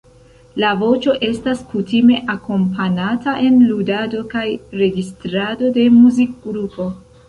La voĉo estas kutime akompanata en ludado kaj registrado de muzikgrupo.